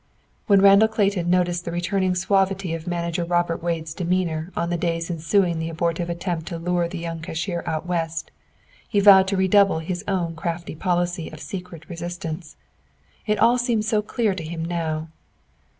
When Randall Clayton noticed the returning suavity of Manager Robert Wade's demeanor on the days ensuing the abortive attempt to lure the young cashier out West, he vowed to redouble his own crafty policy of secret resistance. It all seemed so clear to him now.